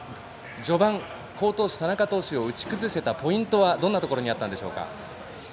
序盤、好投手の田中投手を打ち崩せたポイントはどんなところにあったんでしょう。